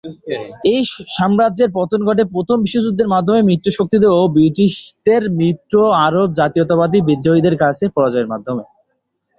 এই সাম্রাজ্যের পতন ঘটে প্রথম বিশ্বযুদ্ধের মাধ্যমে মিত্রশক্তির ও ব্রিটিশদের মিত্র আরব জাতীয়তাবাদী বিদ্রোহীদের কাছে পরাজয়ের মাধ্যমে।